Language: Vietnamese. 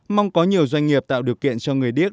mong có nhiều doanh nghiệp tạo điều kiện cho người điếc